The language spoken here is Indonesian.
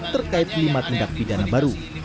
terkait lima tindak pidana baru